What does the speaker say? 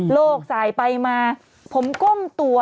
โลกสายไปมาผมก้มตัว